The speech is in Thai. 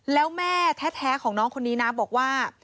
แล้วแม่แท้ของน้องคนนี้นะบอกว่า